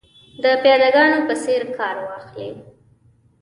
د پیاده ګانو په څېر کار واخلي.